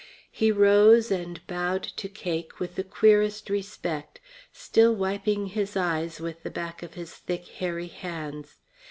He rose and bowed to Cake with the queerest respect, still wiping his eyes with the back of his thick, hairy hands.